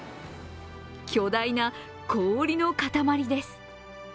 巨大な氷の塊です。